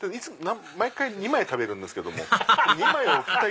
毎回２枚食べるんですけども。